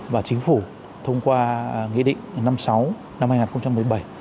và chính phủ thông qua nghị định năm mươi sáu năm hai nghìn một mươi bảy